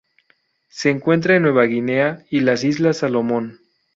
Se encuentra en Nueva Guinea y las Islas Salomón.